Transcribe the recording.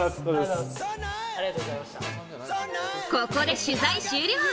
ここで取材終了。